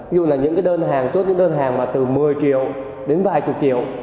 ví dụ là những cái đơn hàng chốt những cái đơn hàng mà từ một mươi triệu đến vài chục triệu